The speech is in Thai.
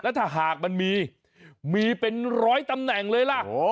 ถ้าหากมันมีมีเป็นร้อยตำแหน่งเลยล่ะ